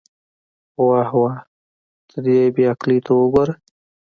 واه واه، ته دې بې عقلۍ ته وګوره.